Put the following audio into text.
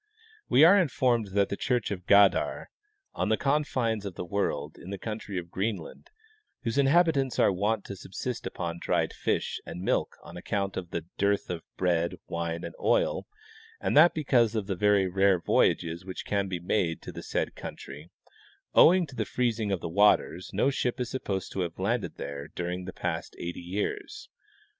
■~ (Translation.) We are informed that the church of Gadar, on the confines of the world, in the country of Greenland, whose inhabitants are wont to subsist upon dried fish and milk on account of the dearth of bread, wine, and oil, and that because of the very rare voyages wdiich caii be made to the said country, owing to the freezing of the waters, no ship is supposed to have landed there during the past eighty years.